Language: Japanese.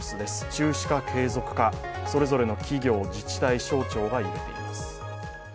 中止か継続か、それぞれの企業、自治体、省庁が揺れています。